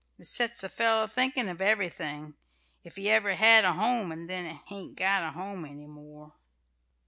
It sets a feller thinking of everything, if he ever had a home and then hain't got a home any more."